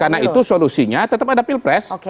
karena itu solusinya tetap ada pilpres